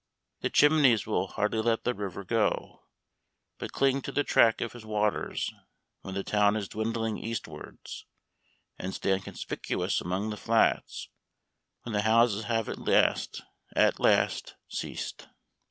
The chimneys will hardly let the river go, but cling to the track of his waters when the town is dwindling eastwards, and stand conspicuous among the flats when the houses have at last, at last, ceased.